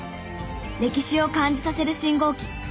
歴史を感じさせる信号機。